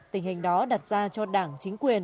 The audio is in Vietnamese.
tình hình đó đặt ra cho đảng chính quyền